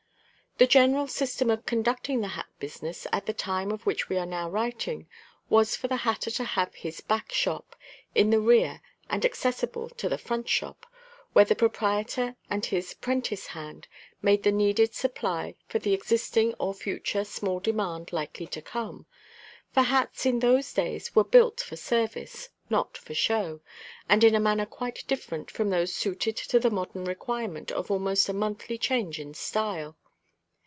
The general system of conducting the hat business at the time of which we are now writing was for the hatter to have his "back shop" in the rear and accessible to the "front shop," where the proprietor and his "prentice hand" made the needed supply for the existing or future small demand likely to come; for hats in those days were "built" for service, not for show, and in a manner quite different from those suited to the modern requirement of almost a monthly change in style.